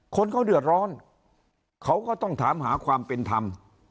คนเขาเดือดร้อนเขาก็ต้องถามหาความเป็นธรรม